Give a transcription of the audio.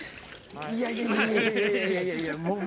いやいやいやいやもうもうもう。